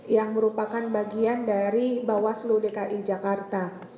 yang merupakan bagian dari bawah seluruh dki jakarta